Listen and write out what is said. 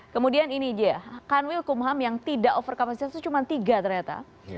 kemudian ini dia kanwil kumham yang tidak over kapasitas itu cuma tiga ternyata